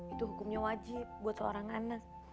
itu hukumnya wajib buat seorang anak